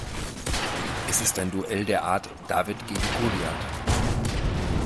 Es ist ein Duell der Art David gegen Goliath.